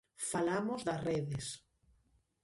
Falamos das redes.